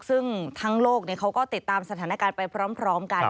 ซึ่งทั้งโลกเขาก็ติดตามสถานการณ์ไปพร้อมกัน